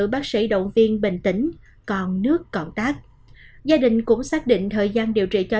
bác sĩ động viên bình tĩnh còn nước cộng tác gia đình cũng xác định thời gian điều trị cho